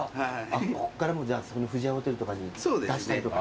こっからじゃあ富士屋ホテルとかに出したりとか。